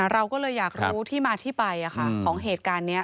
เราก็เลยอยากรู้ที่มาที่ไปของเหตุการณ์นี้